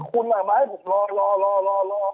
คุณมาให้ผมรอรอ